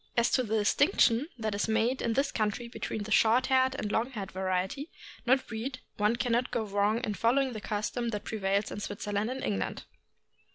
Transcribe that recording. As to the distinction that is made in this country between the short haired and long haired variety (not breed), one can not go wrong in following the custom that prevails in Switzerland and England.